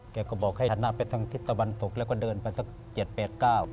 แกก็บอกให้ทะนาไปทางทิศตะวันศกแล้วก็เดินไปสัก๗๘๙